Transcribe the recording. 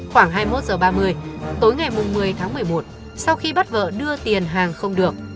khoảng hai mươi một h ba mươi tối ngày một mươi tháng một mươi một sau khi bắt vợ đưa tiền hàng không được